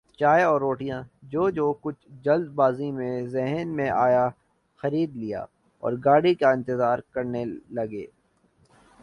چائے اور روٹیاں جو جو کچھ جلد بازی میں ذہن میں آیا خرید لیااور گاڑی کا انتظار کرنے لگے ۔